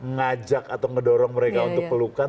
ngajak atau ngedorong mereka untuk pelukan